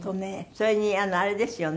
それにあれですよね。